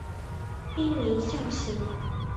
滨名孝行。